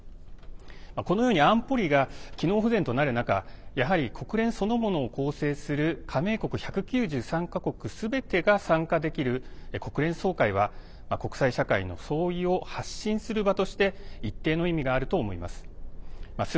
このように安保理が機能不全となる中やはり、国連そのものを構成する加盟国１９３か国すべてが参加できる国連総会は国際社会の総意を発信する場として一定の意味があると思います。